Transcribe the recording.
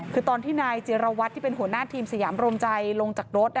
คือตอนที่นายจิรวัตรที่เป็นหัวหน้าทีมสยามรวมใจลงจากรถ